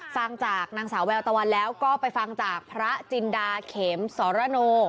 ฟังจากนางสาวแววตะวันแล้วก็ไปฟังจากพระจินดาเขมสรโน